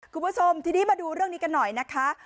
คุณผู้ชมทีนี้มาดูเรื่องนี้กันหน่อยนะคะ